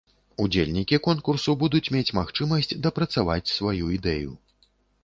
Удзельнікі конкурсу будуць мець магчымасць дапрацаваць сваю ідэю.